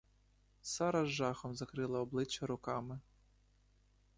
Сара з жахом закрила обличчя руками.